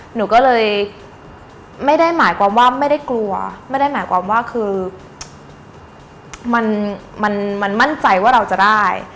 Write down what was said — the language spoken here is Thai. หนูก็เลยไม่ได้หมายความว่าไม่ได้กลัวไม่ได้หมายความว่าคือมันมันมั่นใจว่าเราจะได้